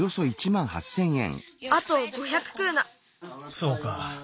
そうか。